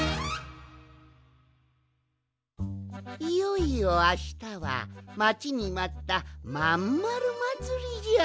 いよいよあしたはまちにまったまんまるまつりじゃ！